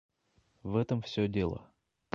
В этом все дело.